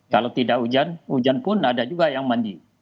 kalau tidak hujan hujan pun ada juga yang mandi